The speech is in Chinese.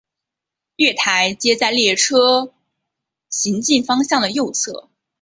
月台皆在列车行进方面的右侧。